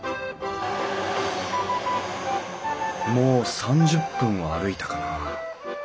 もう３０分は歩いたかな。